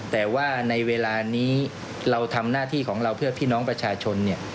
แต่ว่าในเวลานี้เราทำหน้าที่ของเราเพื่อพี่น้องประชาชน